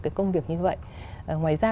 cái công việc như vậy ngoài ra